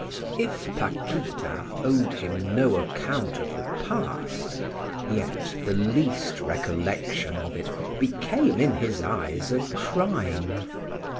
If Paquita owed him no account of the past, yet the least recollection of it became in his eyes a crime.